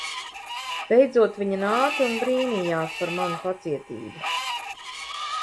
Beidzot viņa nāca un brīnijās par manu pacietību.